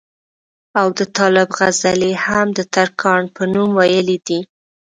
او د طالب غزلې ئې هم دترکاڼ پۀ نوم وئيلي دي